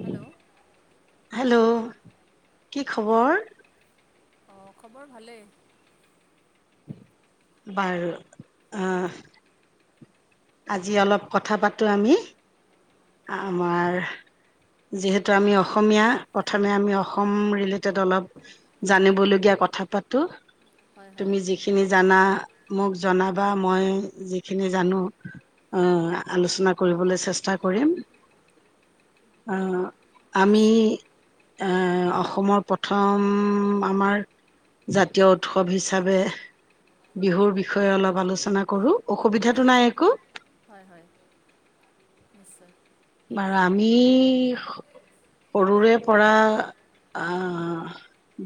Hello hello. কি খবৰ? অ' খবৰ ভালেই। বাৰু। আজি অলপ কথা পাতো আমি। আমাৰ যিহেতু আমি অসমীয়া, প্ৰথমে আমি অসম ৰিলেটেড অলপ জানিবলগীয়া কথা পাতো। হয় হয় তুমি যিখিনি জানা! মোক জনাবা, মই যিখিনি জানো। অ' আলোচনা কৰিবলৈ চেষ্টা কৰিম। অ হয় আমি নিশ্চয় এ অসমৰ প্ৰথম আমাৰ জাতীয় উৎসৱ হিচাপে বিহুৰ বিষয়ে অলপ আলোচনা কৰোঁ। অসুবিধাতটো নাই একো? হয়-হয় আৰু আমি সৰুৰে পৰা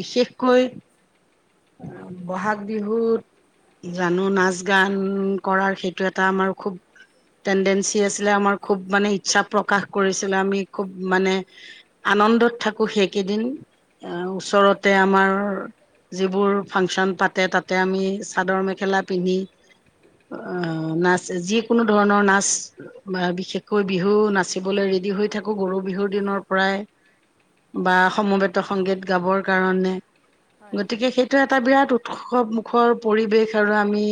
বিশেষকৈ বহাগ বিহুত জানো নাচ-গান কৰাৰ সেইটো এটা আমাৰ খুব টেনডেঞ্চি আছিলে, আমাৰ খুব মানে ইচ্ছা প্ৰকাশ কৰিছিলে, আমি খুব মানে আনন্দত থাকো সেইকেইদিন এ, হয় ওচৰতে আমাৰ যিবোৰ ফাংচন পাতে তাতে আমি চাদৰ মেখেলা পিন্ধি, নাচ যিকোনো ধৰণৰ নাচ বা বিশেষকৈ বিহু নাচিবলৈ ৰেডি হৈ থাকো, গৰু বিহুৰ দিনৰ পৰাই বা সমবেত সংগীত গাবৰ কাৰণে হয় গতিকে সেইটো এটা বিৰাট উৎসৱমুখৰ পৰিৱেশ আৰু আমি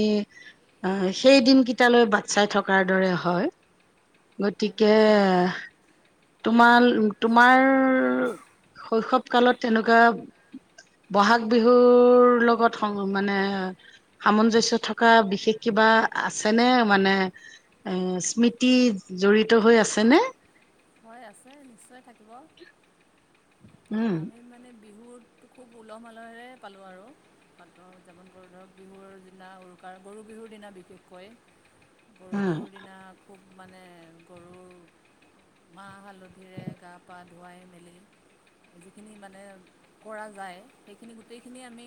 সেই দিনকেইটালৈ বাট চাই থকাৰ দৰে হয়। হয় গতিকে হয় তোমাৰ তোমাৰ শৈশৱ কালত তেনেকুৱা বহাগ বিহুৰ লগত মানে সামঞ্জস্য থকা বিশেষ কিবা আছেনে মানে এ স্মৃতি জড়িত হৈ আছেনে? হৈ আছে, নিশ্চয় থাকিব। উম, আমি মানে বিহুত খুব উলহ-মালহেৰে পালোঁ আৰু পাতৰ উৎযাপন ধৰক বিহুৰ দিনা উৰুকাৰ গৰু বিহুৰ দিনা বিশেষকৈ গৰু উম বিহুৰ দিনা খুব মানে, গৰু মাহ, হালধিৰে গা-পা ধুৱাই মেলি যিখিনি মানে কৰা যায়, সেইখিনি গোটেইখিনি আমি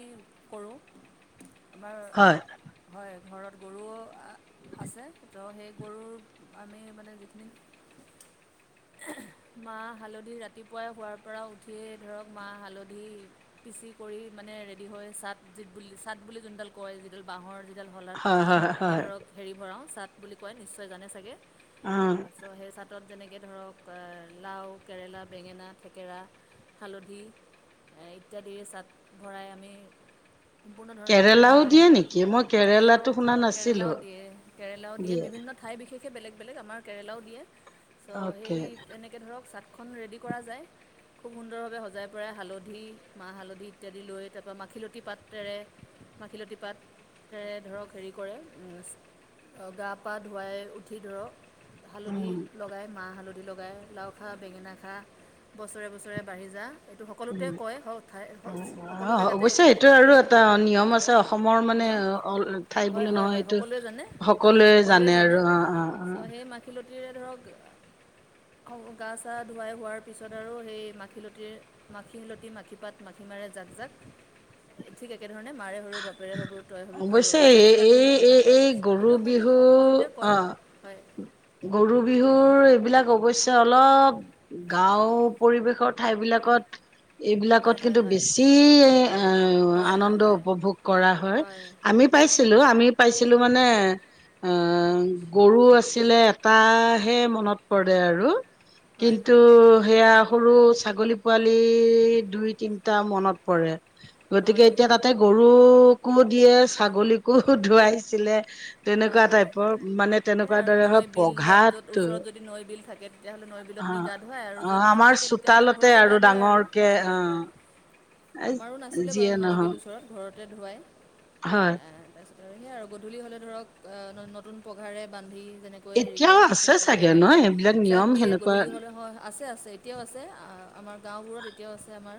কৰোঁ। আমাৰ হয় হয়। ঘৰত গৰু আছে, তো সেই গৰুক আমি মানে যিখিনি মাহ, হালধি ৰাতিপুৱাই হোৱাৰ পৰা উঠিয়েই ধৰক, মাহ- হালধি পিচি কৰি মানে ৰেডি হয়, চাট যি বুলি, চাট বুলি যোনডাল কয় যিডাল বাঁহৰ সেইদাল হলাত হয় হয় আমি হয় ধৰক হেৰি ভৰাওঁ চাত বুলি কয়, নিশ্চয় জানে চাগে। অহ পাতত যেনেকে ধৰক, লাও, কেৰেলা, বেঙেনা, থেকেৰা, হালধি ইত্যাদিৰে চাট ভৰাই আমি সম্পূৰ্ণ ধৰণে খুব কেৰেলাও দিয়ে সুন্দৰভাৱে, নেকি? মই কেৰেলাও, কেৰেলাটো শুনা নাছিলো কেৰেলাও দিয়ে, কেৰেলাও দিয়ে বিভিন্ন ঠাই বিশেষ এক বেলেগ-বেলেগ, আমাৰ কেৰেলাও দিয়ে। চ', অকে সেই এনেকে ধৰক চাট খন ৰেডি কৰা যায় খুব সুন্দৰভাৱে সজাই পৰাই হালধি, মাহ- হালধি ইত্যাদি লৈ তাৰপৰা মাখিলতী পাত তেৰে মাখিলতী পাততেৰে ধৰক হেৰি কৰে গা-পা ধুৱাই উঠি ধৰক হালধি উম লগাই, মাহ হালধি লগাই, লাও খা, বেঙেনা খা, বছৰে-বছৰে বছৰে বাঢ়ি যা এইটো সকলোতে কয়, ঠাই সকলো জেগাতে অৱশ্যে একে, এইটো এক আৰু এটা নিয়ম আছে সকল অসমৰ মানে নিয়ম ঠাই বুলি নহয় হয়-হয়-হয়, এইটো সকলোৱে জানে সেইটো, সকলোৱে আৰু জানে, অ অ ছ' অ সেই মাখিলতী এইটোৱে ধৰক, গা- চা ধুৱাই হোৱাৰ পিছত আৰু সেই মাখিলতিৰ, মাখিলতি, মাখি পাত, মাখি মাৰে জাক-জাক ঠিক একেধৰণে মাৰে সৰু বাপেৰে সৰু, তই হ'বি বৰ অৱশ্যে গৰু, সেনেকুৱা এই ধৰণে এই কথা কয়, এই গৰু সেইটো হয়তো বিহু সকলোতে কয়, অ হয় গৰু বিহুৰ এইবিলাক অৱশ্যে অলপ গাঁও পৰিৱেশৰ ঠাই বিলাকত এইবিলাকত হয় হয় কিন্তু হয় বেছি হয় হয় আনন্দ হয় উপভোগ কৰা হয় আমি পাইছিলো আমি পাইছিলো মানে গৰু অ এতিয়া লে এটাহে মনত পদ আৰু হয় কিন্তু হয় সেয়া সৰু ছাগলী পোৱালি দুই তিনটা মনত পৰে গতিকে হয় এতিয়া তাতে গৰু কুকুমুদিয়ীয়ে ছাগলীকো ধুৱাইছিলে। হয় তেনেকুৱা হয় টাইপৰ মানে সেয়াই তেনেকুৱা। আৰু দৰে নৈ হয় বিলত য'ত পঘাটো ওচৰত যদি নৈ বিল থাকে তেতিয়াহ'লে নৈ বিলত অ নি গা ধুৱায় আৰু অ যদি আমাৰ নাথাকে তেতিয়াহ'লে চোতালতে ঘৰতে গা ধুৱায় আৰু ডাঙৰকে হয় অ হয় হয় আমাৰো নাছিলে বাৰু যিয়ে নৈ বিল নহওক ওচৰত ঘৰতে ধোৱায়। হয় সেয়া আৰু গধূলি হ'লে ধৰক নতুন পঘাৰে বান্ধি যেনেকৈ হেৰি এতিয়াও কৰে আছে নতুন চাগে প্ৰকাৰে ন বান্ধে এইবিলাক নিয়ম জাক দিয়ে সেনেকুৱা গধূলি হ'লে হয় আছে আছে এতিয়াও আছে আমাৰ গাঁওবোৰত এতিয়াও আছে আমাৰ।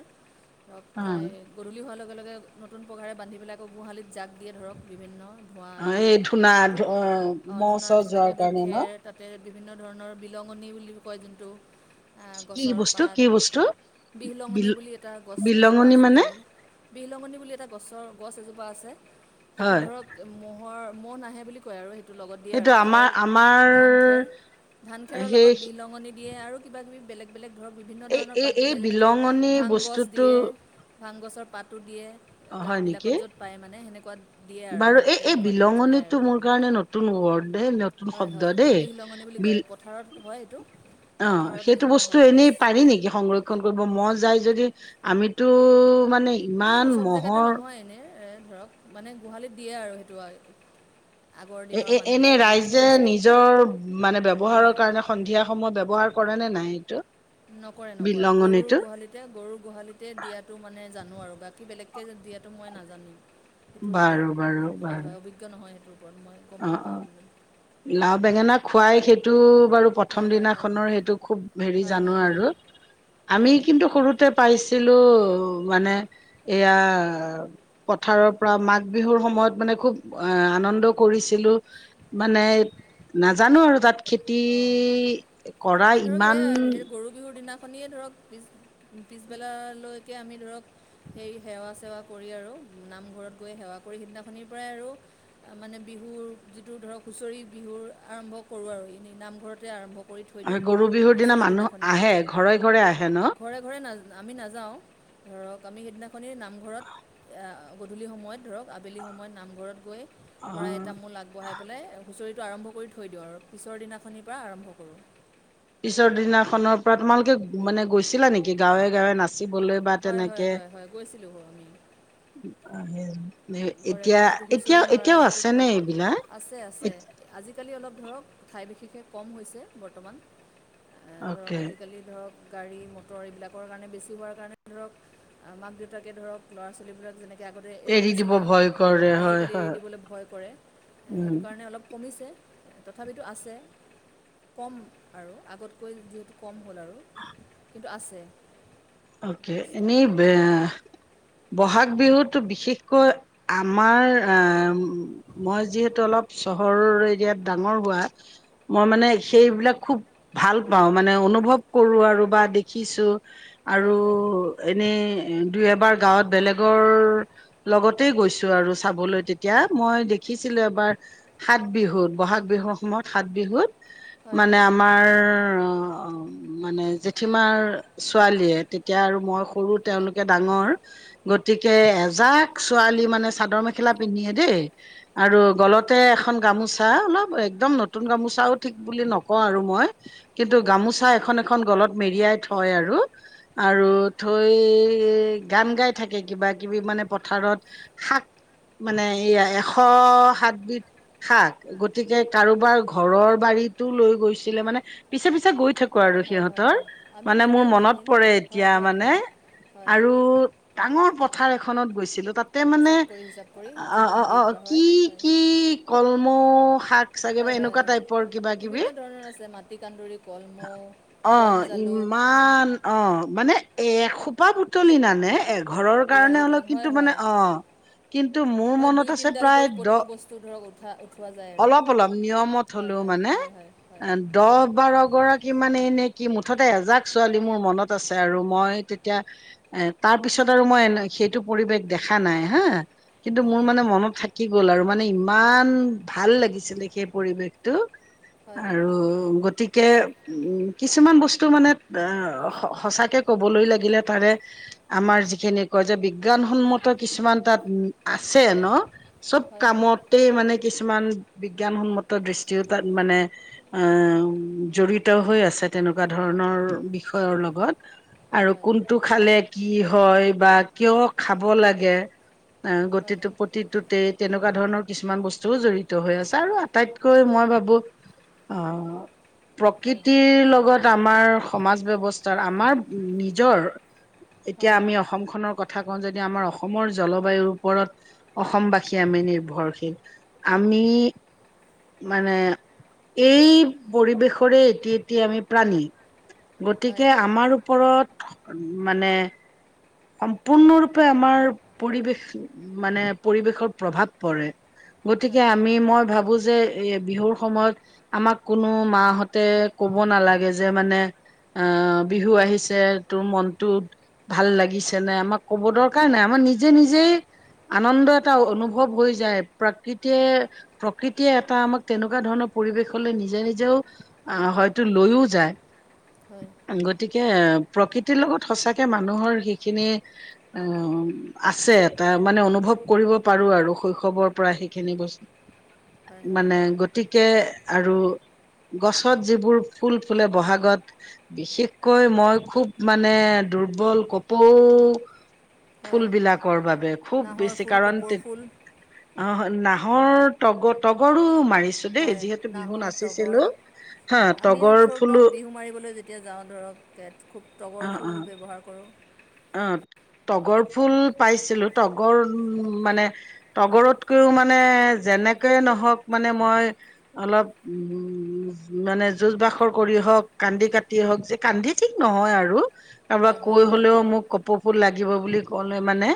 লগ অ ঠাই গধূলি হোৱা অ লগে লগে নতুন পঘাৰে বান্ধি পেলাই আকৌ গোহালিত জাক দিয়ে ধৰক বিভিন্ন ধঁৱা দিয়ে না কিন্তু অ আহ, ধূনাৰ মচৰ নিচিনাকৈ যোৱাৰ ধৰক কাৰণে ন খেৰ তাতে বিভিন্ন ধৰণৰ বিলঙণনি বুলি কয় যোনটো কি গছৰ বস্তু পাত কি বস্তু বিল বিহলঙনি বুলি এটা গছ এজোপা বিলঙনি আছে মানে জল বিহলঙনি বুলি এটা গছৰ গছ এজোপা আছে সেইটো হয় ধৰক ম'হৰ মন আহ হে বুলি কয় আৰু সেইটো টো লগত দিয়ে সেইটো আৰু খেৰ আমাৰ আমাৰ ধান খেৰ ধান খেৰ সেই লগত বিহলঙনিত দিয়ে আৰু কিবা কিবি বেলেগ বেলেগ। ধৰক বিভিন্ন এই ধৰণৰ এই পাত এই দিয়ে যেনেকৈ বিলঙনি ভাংগছ বস্তুটো দিয়ে ভাংগছৰ পাত তটো দিয়ে হয় নেকি গাঁওবিলাকত য'ত পায় মানে সেনেক কাত বাৰু এই এই বিলঙনটো মোৰ নতুন নতুন হয় শব্ হয় বিহলঙনি বুলি দ কয় পথাৰত হয় এইটো অ পথাৰত সেইটো এজোপা বস্তু হয় এনেই গছ পাৰ সংৰক্ষণ ম য য আমিতো মানে ইমান এইটো চব জেগাতে মহৰ নহয় এনেই এ ধৰক মানে গোহালিত দিয়ে আৰু সেইটো আগৰ এ দিনৰ এ এনে মানুহবিলাকে সেইখিনি ৰাইজে বস্তু নিজৰ মানে হয় ব্যৱহাৰৰ হয় কাৰণে সন্ধিয়া সময় ব্যৱহাৰ কৰা নে নাই এইটো? নকৰে নকৰে গৰুৰ বিলঙনিটো গোহালিতে গৰুৰ গোহালিতে দিয়াটো মানে জানো আৰু বাকী বেলেগকৈ দিয়াতো মই নাজানো। সেইটোৰ বাৰু ওপৰত বাৰু হয় বাৰু হয় অভিজ্ঞ নহয় সেইটো। অ অ লাও বেঙেনা খুৱাই সেইটো ব আৰু প্ৰথম হয় হয় হয় দিনাখনৰ সেইটো খুব হেৰি হয় জানো হয় হয় আৰু আমি হয় হয় কিন্তু সৰুতে পাইছিলো অহ মানে এয়া পথাৰৰ পৰা মাঘ বিহুৰ সময়ত মানে খুব আনন্দ কৰিছিলো মানে নাজানো আৰু তাত খেতি অঁ কৰা ইমান খনিয়ে ধৰক পিছ-পিছবেলালৈকে আমি ধৰক সেই সেৱা চেৱা কৰি আৰু নামঘৰত গৈ সেৱা কৰি সিদিনাখনিৰ পৰাই আৰু মানে বিহুৰ যিটো ধৰক হুঁচৰি বিহুৰ আৰম্ভ কৰোঁ আৰু। নামঘৰতে আৰম্ভ কৰি থৈ দিওঁ গৰু বিহুৰ দিনা পিছৰ মানুহ দিনাখনি, আহে ঘৰে ঘৰে আহে ন ঘৰে ঘৰে ন আমি নাযাওঁ ধৰক আমি সেইদিনাখনি নামঘৰত গধূলি সময়ত ধৰক আবেলি সময়ত নামঘৰত গৈ অ শৰাই তামোল আগবঢ়াই পেলাই হুঁচৰি আৰম্ভ কৰি থৈ দিওঁ আৰু পিছত দিনাখনিৰ পৰা আৰম্ভ কৰোঁ। পিছৰ দিনাখনৰ পৰা তোমালোকে মানে গৈছিলা নেকি গাঁৱে গাঁৱে নাচ বাচিবলৈ বা হয় হয় তেনেকে হয় হয় গৈছিলোঁ হয় আমি সে ঘৰে ঘৰে যিটো হুঁচৰি মৰাৰ যিটো আছেনে পৰ্ব এইবিলাক? আছে আছে আজিকালি অলপ ধৰক ঠাই বিশেষে কম হৈছে বৰ্তমান। এ ধৰক অকে আজিকালি ধৰক গাড়ী মটৰ এইবিলাকৰ কাৰণে বেছি হোৱাৰ কাৰণে ধৰক মাক দেউতাকে ধৰক ল'ৰা ছোৱালীবিলাক যেনেকে আগতে এৰি দিব দিছিলে ভয় কৰে হয় আজিকালি এৰি হয় দিবলৈ ভয় কৰে উম সেইটো কাৰণে অলপ কমিছে। তথাপিতো আছে কম আৰু আগতকৈ যিহেতু কম হ'ল আৰু। এইটো আছে। এইটো অকে বস্তু এনেই বে হয় বহাগ বিহুতো বিশেষকৈ আমাৰ আহ মই যিহেতু অলপ চহৰৰ এৰিয়াত ডাঙৰ হোৱা মই মানে সেইবিলাক খুব ভাল পাওঁ মানে অনুভৱ কৰোঁ আৰু বা দেখিছো হয় আৰু হয় এনেই দুই এবাৰ গাঁৱত বেলেগৰ লগতেই গৈছো আৰু চাবলৈ তেতিয়া, মই দেখিছিলো এবাৰ সাত বিহুত বহাগ বিহুৰ সময়ত সাত বিহুত হয় হয় মানে আমাৰ মানে জেঠীমাৰ ছোৱালীয়ে তেতিয়া আৰু মই সৰু, তেওঁলোকে ডাঙৰ গতিকে এজাক ছোৱালী মানে চাদৰ মেখেলা পিন্ধিয়ে দেই আৰু গলতে এখন গামোচা অলপ একদম নতুন গামোচাও ঠিক বুলি নকওঁ আৰু মই কিন্তু হয় গামোচা এখন এখন গলত মেৰিয়াই থয় আৰু। আৰু হয় থৈ। গান গাই থাকে, কিবা কিবি মানে পথাৰত শাক মানে এইয়া এশ সাতবিধ শাক গতিকে কাৰোবাৰ ঘৰৰ বাৰীতো লৈ গৈছিলে মানে পিছে পিছে গৈ থাকো। কোৱা আৰু হয় হয় সিহঁতৰ হয় আমিও মানে মোৰ তোলোঁ মনত। সেইখিনি কৰে খাওঁ হয় এতিয়া হয় মানে হয় হয় আৰু। ডাঙৰ পথাৰ এখনত গৈছিলো। তাতে মানে হিচাপ কৰি হিচাপ কৰি অ যিমান অ অ বিধ বা হয় কি হয় কি ক। উম। হয়! হয়! হয়! বিভিন্ন ধৰণৰ আছে, মাটিকাঁন্দুৰি, কলমৌ, অ বন জালুক ইমান অ' মানে এসোপা বুটলি নানে ঘৰৰ কাৰণে পিৰালি হলেও পালেং কিন্তু হয় মানে, হয় অ' কিন্তু মোৰ ধৰক মনত দুই আছে তিনিডাল প্ৰায়, কৰি দহ প্ৰতিটো বস্তু ধৰক উঠা উঠোৱা যায় আৰু অলপ অলপ, নিয়মত হয় হলেও হয় মানে, হয় হয় হয় দহ বাৰ গৰাকী মানে এনে কি মুঠতে এজাক ছোৱালী মোৰ মনত আছে আৰু মই তেতিয়া, এ তাৰ পিছত আৰু মই সেইটো পৰিৱেশ দেখা নাই হা কিন্তু হয় মোৰ মানে মনত থাকি গ'ল আৰু মানে ইমান ভাল লাগিছিলে সেই পৰিৱেশটো হয় হয় আৰু গতিকে কে উম কিছুমান বস্তু মানে অ সঁচাকে কবলৈ লাগিলে তাৰে, আমাৰ যিখিনি কয় যে, বিজ্ঞানসন্মত কিছুমান তাত আছে ন চব হয় হয় হয় হয় হয় হয় হয় হয় হয় হয় হয় হয় হয় কামতে মানে কি কিছুমান বিজ্ঞানসন্মত দৃষ্টিও তাত মানে, অঁ জড়িত হৈ আছে, তেনেকুৱা ধৰণৰ বিষয় য়ৰ লগত আৰু কোনটো খালে কি হয়, বা কিয় খাব লাগে অ' গতিটো প্ৰতিটোতে তেনেকুৱা ধৰণৰ কিছুমান বস্তুও জড়িত হৈ আছে, আৰু আটাইতকৈ মই ভাবো অঁ প্ৰকৃতিৰ লগত আমাৰ সমাজ ব্যৱস্থাৰ আমাৰ নিজৰ এতিয়া আমি অসম খনৰ কথা কথা কওঁ যদি, আমাৰ অসমৰ জলবায়ুৰ ওপৰত অসমবাসী আমি নিৰ্ভৰশীল, ‌ আমি মানে, এই পৰিৱেশৰে এটি এটি আমি প্ৰাণী। গতিকে আমাৰ ওপৰত মানে সম্পূৰ্ণৰূপে আমাৰ পৰিৱেশ, মানে পৰিৱেশৰ প্ৰভাৱ পৰে গতিকে আমি, মই ভাবো যে যে বিহুৰ সময়ত আমাক কোনো মাহঁতে কব নালাগে, ‌ যে মানে অঁ বিহু আহিছে, তোৰ মনটো ভাল লাগিছে নে? আমাক কব দৰকাৰ নাই, আমাৰ নিজে নিজেই আনন্দ এটা অনুভৱ হৈ যায়, প্ৰকৃতিয়ে, প্ৰকৃতিয়ে এটা আমাক তেনেকুৱা ধৰণৰ পৰিৱেশলৈ নিজে নিজেও অঁ হয়তো লৈও যায়। গতিকে প্ৰকৃতিৰ লগত সঁচাকে মানুহৰ সেইখিনি অঁ, আছে এটা, মানে অনুভৱ কৰিব পাৰো আৰু শৈশৱৰ পৰা সেইখিনি হয় বস্তু হয় মানে গতিকে আৰু গছত যিবোৰ ফুল ফুলে বহাগত বিশেষকৈ মই খুউব মানে, দুৰ্বল কপৌ হয় হয় ফুলবিলাকৰ বাবে, খুউব নাহৰ বেছি ফুল কাৰণ কপৌ ফুল অঁ, ‌ নাহৰ, তগৰ তগৰো মাৰি ছোঁ দেই, হয় যিহেতু বিহু নাহৰ নাচিছিলো, তগৰ হাঁ, আমিও তগৰ ধৰক ধৰক ফুলো বিহু মাৰিবলৈ যেতিয়া যাওঁ ধৰক কে খুব তগৰ অ' ফুল অ' ব্যৱহাৰ কৰোঁ অ তগৰ ফুল পাইছিলো তগৰ উ মানে তগৰতকৈও মানে যেনেকে নহওক মানে মই অলপ উ মানে যুজ বাখৰ কৰি হওক কান্দি কাটি হওক যে কান্দি ঠিক নহয় আৰু কবাক হয় হয় কৈ হয় হলেও হয় মোক উপফুল লাগিব বুলি ক'লে মানে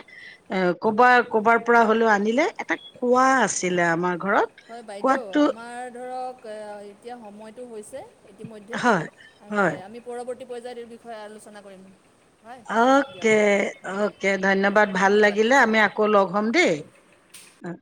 এ ক'বাৰ ক'বাৰ পৰা হ'লেও আনিলে এটা কোৱা আছিলে আমাৰ ঘৰত হয় বাইদেউ কোৱাটো আমাৰ ধৰক এতিয়া সময়টো হৈছে ইতিমধ্যে আৰু হয় আমি পৰৱৰ্তী পৰ্যায়টোৰ বিষয়ে আলোচনা কৰিম। হয় দিয়ক অকে হয় অকে দিয়ক ধন্যবাদ ভাল ধন্যবাদ লাগিলে আমি ধন্যবাদ আকৌ লগ হ'ম দেই। উ